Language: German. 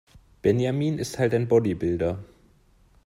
Benjamin ist halt ein Bodybuilder.